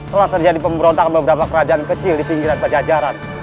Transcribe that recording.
telah terjadi pemberontakan beberapa kerajaan kecil di pinggiran pajajaran